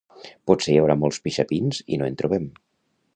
Potser hi haurà molts pixapins i no en trobem